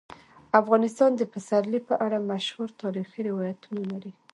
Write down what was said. افغانستان د پسرلی په اړه مشهور تاریخی روایتونه لري.